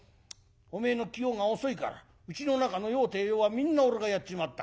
おめえの器用が遅いからうちの中の用てえ用はみんな俺がやっちまった。